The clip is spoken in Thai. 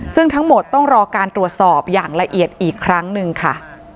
ซึ่งทั้งหมดต้องรอการตรวจสอบอย่างละเอียดอีกครั้งหนึ่งค่ะ